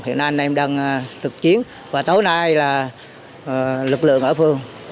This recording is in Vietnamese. hiện nay anh em đang trực chiến và tối nay là lực lượng ở phường